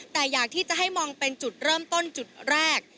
แต่อยากที่จะให้มองเป็นจุดเริ่มต้นจุดแรก